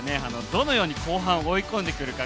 どのように後半、追い込んでくるか